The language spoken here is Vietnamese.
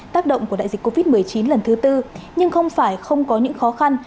tác động của đại dịch covid một mươi chín lần thứ tư nhưng không phải không có những khó khăn